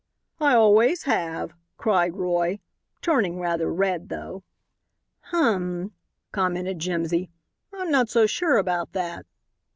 "I always have," cried Roy, turning rather red, though. "Hum," commented Jimsy; "I'm not so sure about that."